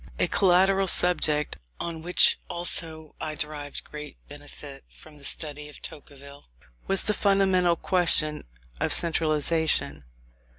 A collateral subject on which also I derived great benefit from the study of Tocqueville, was the fundamental question of centralization.